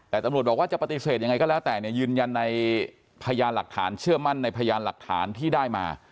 แต่ตำรวจบอกว่าจะปฏิเสธยังไงก็แล้วแต่เนี่ยยืนยันในพยานหลักฐานเชื่อมั่นในพยานหลักฐานที่ได้มา